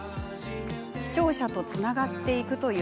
視聴者とつながっていく。